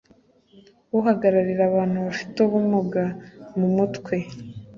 uhagararira abantu bafite ubumuga mu Mutwe